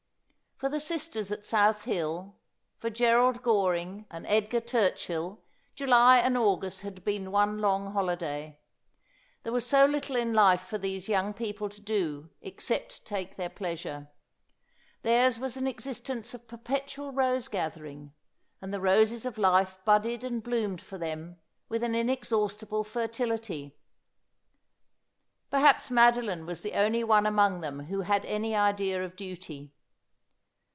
For the sisters at South Hill, for Gerald Goring and Edgar Turchill, July and August had been one long holiday. There was so little in life for these young people to do except take their pleasure. Theirs was an ex istence of perpetual rose gathering ; and the roses of life budded and bloomed for them with an inexhaustible fertility. Perhaps Madeline was the only one among them who had any idea of duty.